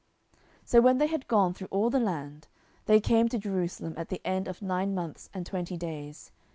10:024:008 So when they had gone through all the land, they came to Jerusalem at the end of nine months and twenty days.